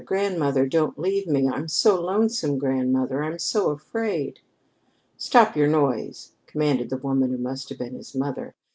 Grandmother! Don't leave me! I'm so lonesome, grandmother! I'm so afraid!" "Stop your noise," commanded the woman who must have been his mother.